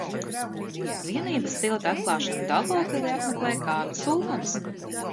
Vienības tilta atklāšanu Daugavpilī apmeklēja Kārlis Ulmanis.